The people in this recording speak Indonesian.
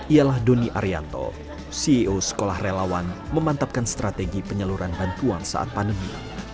ialah doni arianto ceo sekolah relawan memantapkan strategi penyaluran bantuan saat pandemi